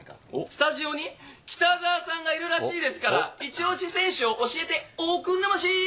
スタジオに北澤さんがいるらしいですから、イチオシ選手を教えておくんなましー。